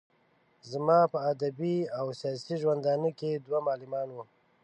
زما په ادبي او سياسي ژوندانه کې دوه معلمان وو.